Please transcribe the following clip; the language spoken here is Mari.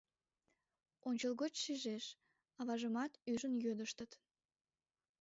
Ончылгоч шижеш: аважымат ӱжын йодыштыт.